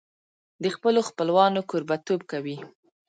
د خپلو خپلوانو کوربهتوب کوي.